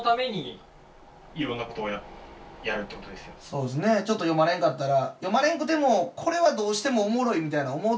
そうですねちょっと読まれんかったら。